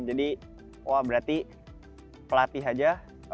jadi wah berarti pelatih saja